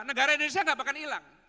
negara indonesia enggak akan hilang